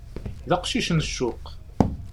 D aqcic n ccuq.